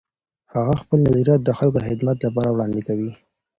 هغه خپل نظریات د خلګو د خدمت لپاره وړاندې کوي.